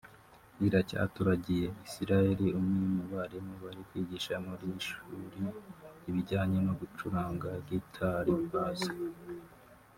Iracyaturagiye Israel umwe mu barimu bari kwigisha muri iri shuri ibijyanye no gucuranga Guitar Bass